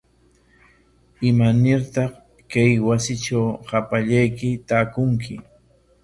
¿Imanartaq kay wasitraw hapallayki taakunki?